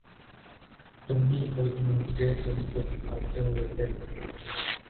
تمہی کو ڈھونڈتے تم کو پکارتے ہوئے دن